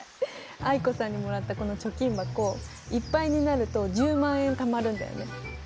藍子さんにもらったこの貯金箱いっぱいになると１０万円たまるんだよね。